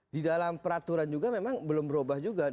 di dalam peraturan juga memang belum berubah juga